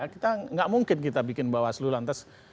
kita tidak mungkin kita bikin bawah selu lantas